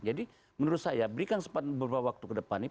jadi menurut saya berikan sempat beberapa waktu ke depan nih